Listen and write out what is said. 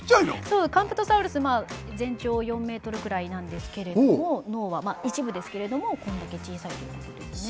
そうカンプトサウルスまあ全長４ｍくらいなんですけれども脳はまあ一部ですけれどもこれだけ小さいということですね。